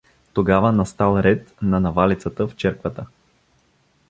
Тогава настал ред на навалицата в черквата.